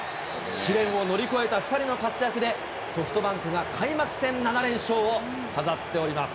試練を乗り越えた２人の活躍で、ソフトバンクが開幕戦７連勝を飾っております。